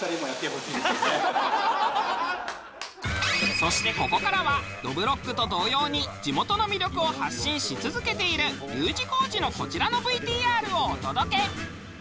そしてここからはどぶろっくと同様に地元の魅力を発信し続けているＵ字工事のこちらのＶＴＲをお届け。